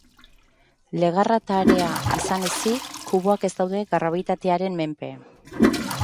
Legarra eta area izan ezik kuboak ez daude grabitatearen menpe.